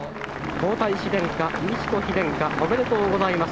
皇太子殿下美智子妃殿下おめでとうございます。